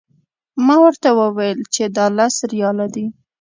ما ورته وویل چې دا لس ریاله دي.